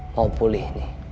mau pulih nih